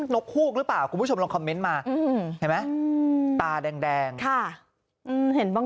นกหลุกรึเปล่าคุณผู้ชมลองคอมเมนต์มา